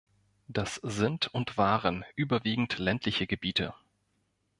Das sind und waren überwiegend ländliche Gebiete.